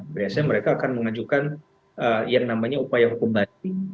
biasanya mereka akan mengajukan yang namanya upaya hukum banding